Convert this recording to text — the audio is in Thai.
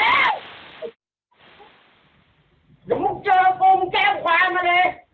เด็กอย่างผู้เจาบมแก้มความมาเร๊ะ